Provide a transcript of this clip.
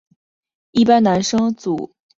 一般男生组前四名将来年公开组男生第二级。